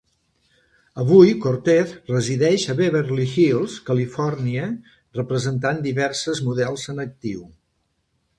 Avui, Cortez resideix a Beverly Hills, Califòrnia, representant diverses models en actiu.